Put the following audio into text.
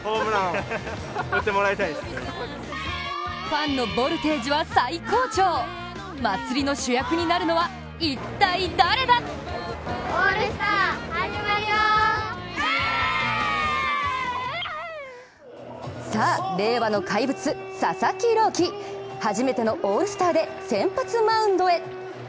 ファンのボルテージは最高潮祭りの主役になるのは一体誰ださあ、令和の怪物・佐々木朗希、初めてのオールスターで先発マウンドへ。